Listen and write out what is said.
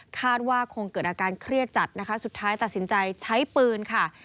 คาดว่าคงเกิดอาการเครียดจัดนะคะสุดท้ายตัดสินใจใช้ปืนค่ะ